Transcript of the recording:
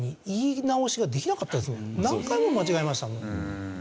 何回も間違えましたもん。